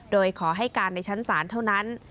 โดยขอให้การในชั้นศาลเท่านั้น